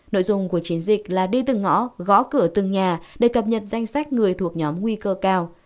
nội dung của chiến dịch là đi từng ngõ gõ cửa từng nhà để cập nhật danh sách người thuộc nhóm nguy cơ cao